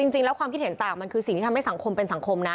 จริงแล้วความคิดเห็นต่างมันคือสิ่งที่ทำให้สังคมเป็นสังคมนะ